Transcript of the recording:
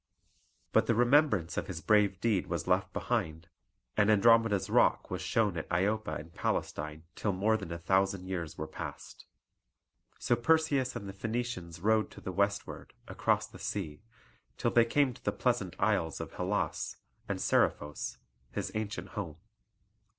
But the remembrance of his brave deed was left behind; and Andromeda's rock was shown at Iopa in Palestine till more than a thousand years were past. So Perseus and the Phoenicians rowed to the westward, across the sea, till they came to the pleasant Isles of Hellas, and Seriphos, his ancient home.